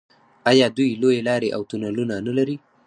آیا دوی لویې لارې او تونلونه نلري؟